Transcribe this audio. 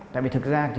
tại vì thực ra